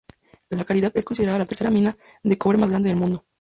La Caridad es considerada la tercera mina de cobre más grande del mundo.